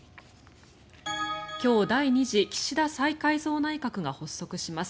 今日、第２次岸田再改造内閣が発足します。